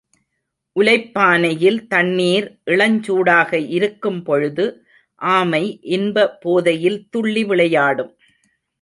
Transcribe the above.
உலைப்பானையில் தண்ணீர் இளஞ்சூடாக இருக்கும் பொழுது ஆமை இன்ப போதையில் துள்ளி விளையாடும்.